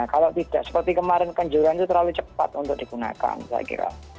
kalau tidak seperti kemarin kanjuran itu terlalu cepat untuk digunakan saya kira